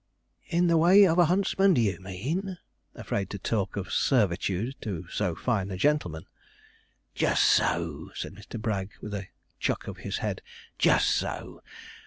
'In the way of a huntsman do you mean?' afraid to talk of servitude to so fine a gentleman. 'Just so,' said Mr. Bragg, with a chuck of his head, 'just so.